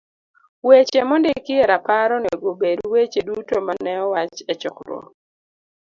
Weche mondiki e rapar onego obed weche duto ma ne owach e chokruok.